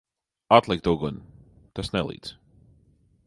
Atlikt uguni! Tas nelīdz.